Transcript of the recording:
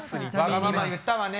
わがまま言ったわね。